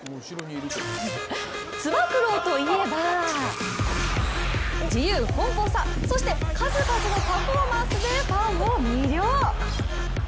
つば九郎といえば自由奔放さそして数々のパフォーマンスでファンを魅了。